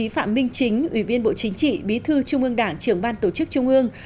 phạm minh chính ủy viên bộ chính trị bí thư trung ương đảng trưởng ban tổ chức trung ương